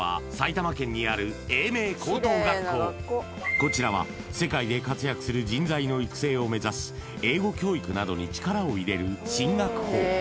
こちらは世界で活躍する人材の育成を目指し英語教育などに力を入れる進学校。